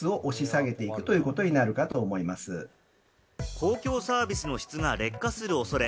公共サービスの質が劣化する恐れ。